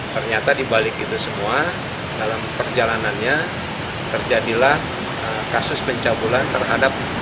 ternyata dibalik itu semua dalam perjalanannya terjadilah kasus pencabulan terhadap